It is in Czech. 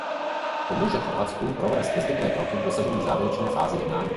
Pomůže Chorvatsku provést nezbytné kroky k dosažení závěrečné fáze jednání.